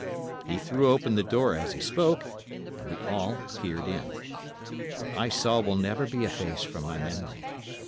He threw open the door as he spoke, and we all peered in. What I saw will never be effaced from my memory.